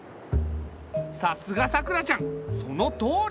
さすがさくらちゃんそのとおり！